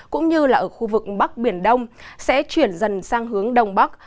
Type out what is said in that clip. cũng như là ở khu vực bắc biển đông sẽ chuyển dần sang hướng đông bắc